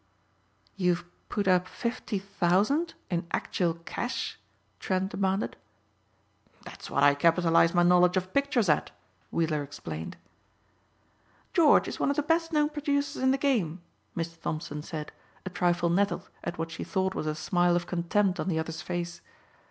"You've put up fifty thousand in actual cash?" Trent demanded. "That's what I capitalize my knowledge of pictures at," Weiller explained. "George is one of the best known producers in the game," Miss Thompson said, a trifle nettled at what she thought was a smile of contempt on the other's face.